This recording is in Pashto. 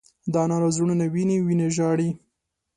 د انارو زړونه وینې، وینې ژاړې